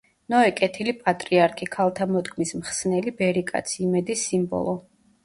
ნოე კეთილი პატრიარქი, ქალთა მოდგმის მხსნელი ბერიკაცი, იმედის სიმბოლო.